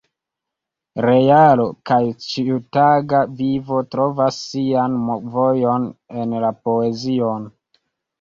Realo kaj ĉiutaga vivo trovas sian vojon en la poezion.